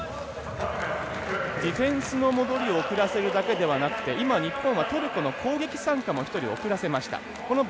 ディフェンスの戻りを遅らせるだけではなくて今日本はトルコの攻撃を１人遅らせました。